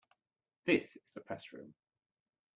This is the Press Room.